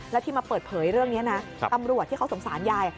แล้วที่มาเปิดเผยเรื่องนี้นะตำรวจที่เขาสงสารยาย